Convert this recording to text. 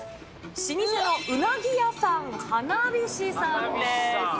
老舗のうなぎ屋さん、花菱さんです。